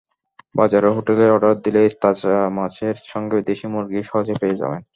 বাজারের হোটেলে অর্ডার দিলেই তাজা মাছের সঙ্গে দেশি মুরগি সহজেই পেয়ে যাবেন।